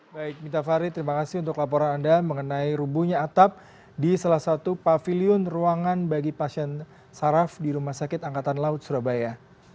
baik mita farid terima kasih untuk laporan anda mengenai rubuhnya atap di salah satu pavilion ruangan bagi pasien saraf di rumah sakit angkatan laut surabaya